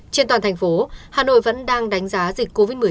trên toàn thành phố hà nội vẫn đang đánh giá dịch covid một mươi chín ở cấp độ hai